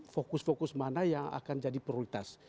fokus fokus mana yang akan jadi prioritas